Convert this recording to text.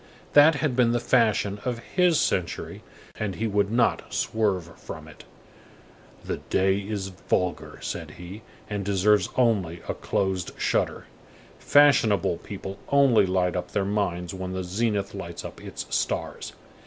That had been the fashion of his century, and he would not swerve from it. "The day is vulgar," said he, "and deserves only a closed shutter. Fashionable people only light up their minds when the zenith lights up its stars."